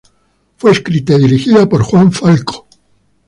Fue escrita y dirigida por Juan Falco.